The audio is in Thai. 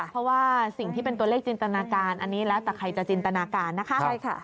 เพราะว่าสิ่งที่เป็นตัวเลขจินตนาการอันนี้แล้วแต่ใครจะจินตนาการนะคะ